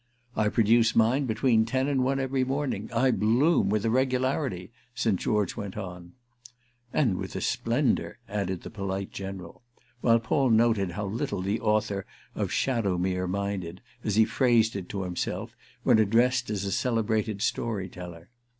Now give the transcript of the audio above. "I produce mine between ten and one every morning—I bloom with a regularity!" St. George went on. "And with a splendour!" added the polite General, while Paul noted how little the author of "Shadowmere" minded, as he phrased it to himself, when addressed as a celebrated story teller.